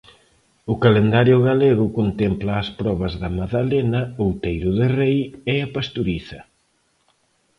O calendario galego contempla as probas da Madalena, Outeiro de Rei e A Pastoriza.